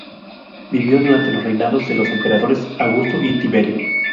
Vivió durante los reinados de los emperadores Augusto y Tiberio.